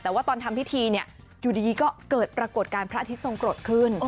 แต่ว่าตอนทำพิธีเนี่ยอยู่ดีก็เกิดปรากฏการณ์พระอาทิตย์ทรงกรดขึ้น